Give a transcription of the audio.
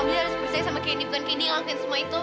amri harus bersaiz sama kini bukan kini yang akan semuanya itu